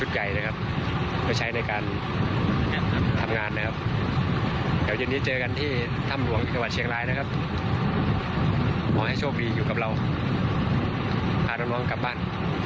ตามน้องกลับบ้าน